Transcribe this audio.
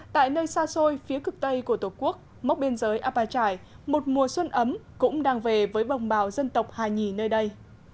tại nơi xa xôi phía cực tây của tổ quốc mốc biên giới a pa chải một mùa xuân ấm cũng đang về với bồng bào dân tộc hà nhì nơi đây